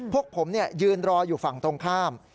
พวกผมยืนรออยู่ฝั่งตรงข้าม